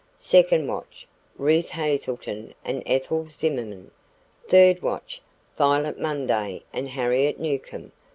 Second watch: Ruth Hazelton and Ethel Zimmerman. Third watch: Violet Munday and Harriet Newcomb.